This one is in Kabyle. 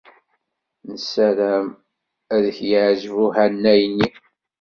Nessaram ad k-yeɛjeb uhanay-nni.